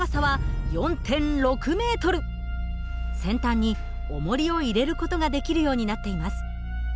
先端におもりを入れる事ができるようになっています。